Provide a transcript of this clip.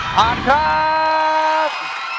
ผ่านครับ